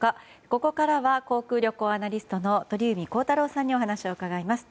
ここからは航空・旅行アナリストの鳥海高太朗さんにお話を伺います。